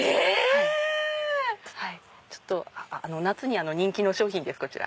夏に人気の商品ですこちら。